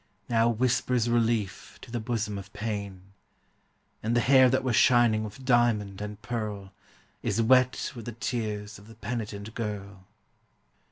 Now whispers relief to the bosom of pain; And the hair that was shining with diamond and pearl, Is wet with the tears of the penitent girl.